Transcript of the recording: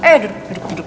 eh duduk duduk duduk